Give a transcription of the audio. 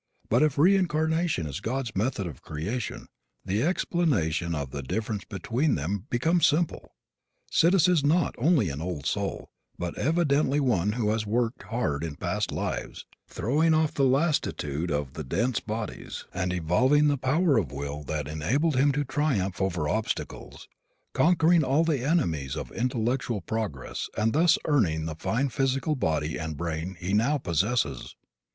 But if reincarnation is God's method of creation the explanation of the difference between them becomes simple. Sidis is not only an old soul but evidently one who has worked hard in past lives, throwing off the lassitude of the dense bodies and evolving the power of will that enabled him to triumph over obstacles, conquering all the enemies of intellectual progress and thus earning the fine physical body and brain he now possesses.